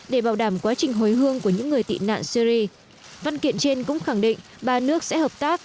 để bảo đảm quá trình hối hương của những người tị nạn syri văn kiện trên cũng khẳng định ba nước sẽ hợp tác